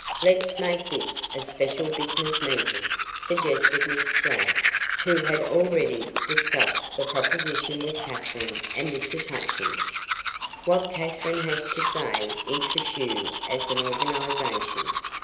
"Let's make this a special business meeting," suggested Miss Ladd, who had already discussed the proposition with Katherine and Mrs. Hutchins. "What Katherine has to say interests you as an organization.